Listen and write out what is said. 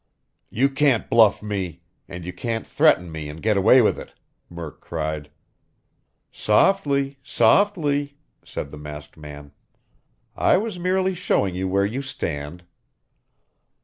"You can't bluff me, and you can't threaten me and get away with it!" Murk cried. "Softly softly!" said the masked man. "I was merely showing you where you stand."